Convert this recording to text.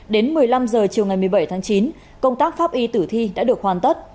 đến một mươi năm h chiều ngày một mươi bảy tháng chín công tác pháp y tử thi đã được hoàn tất